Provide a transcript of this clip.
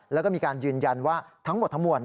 แล้วก็มีการยืนยันว่าทั้งหมดทั้งมวล